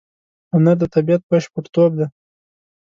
هنر د طبیعت بشپړتوب دی.